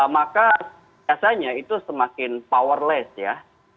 maka biasanya itu semakin powerless ya